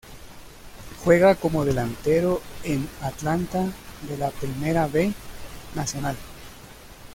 Juega como delantero en Atlanta de la Primera B Nacional.